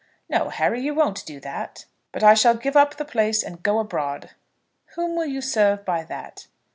"No, Harry, you won't do that." "But I shall give up the place, and go abroad." "Whom will you serve by that?"